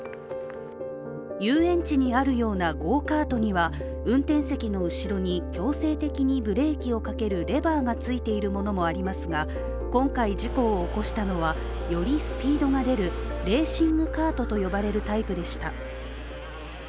遊園地にあるようなゴーカートには運転席の後ろに強制的にブレーキをかけるレバーがついているものもありますが今回事故を起こしたのはよりスピードが出るレーシングカートと呼ばれるタイプでした。